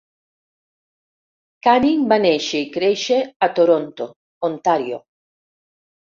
Canning va néixer i créixer a Toronto, Ontario.